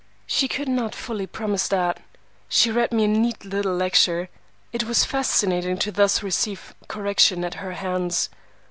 "She could not fully promise that. She read me a neat little lecture. It was fascinating to thus receive correction at her hands.